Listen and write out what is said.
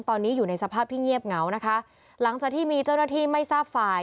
ตอนนี้อยู่ในสภาพที่เงียบเหงานะคะหลังจากที่มีเจ้าหน้าที่ไม่ทราบฝ่าย